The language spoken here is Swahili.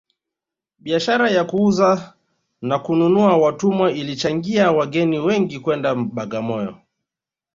biashara ya kuuza na kununua watumwa ilichangia wageni wengi kwenda bagamoyo